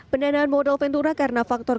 pendanaan modal ventura karena faktor